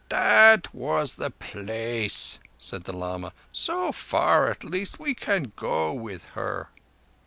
"That was the place," said the lama. "So far, at least, we can go with her."